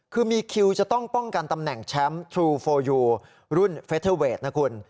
คือมีคิวจะต้องป้องกันตำแหน่งแชมป์ทรูโฟยูรุ่นเฟเทอร์เวทนะคุณ